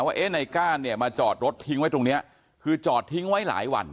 ว่าเอ๊ะในก้านเนี่ยมาจอดรถทิ้งไว้ตรงเนี้ยคือจอดทิ้งไว้หลายวัน